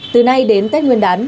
từ nay đến tết nguyên đán